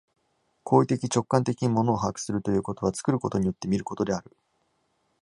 行為的直観的に物を把握するということは、作ることによって見ることである。